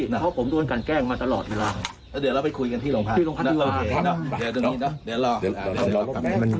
เพราะผมโดนกันแกล้งมาตลอดเวลาแล้วเดี๋ยวเราไปคุยกันที่โรงพัก